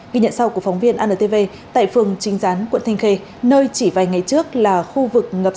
ghi nhận sau của phóng viên antv tại phường trinh gián quận thanh khê nơi chỉ vài ngày trước là khu vực